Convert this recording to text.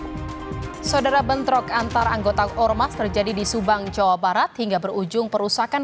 hai saudara bentrok antar anggota ormas terjadi di subang jawa barat hingga berujung perusahaan